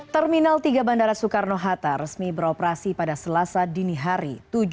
terminal tiga bandara soekarno hatta resmi beroperasi pada selasa dini hari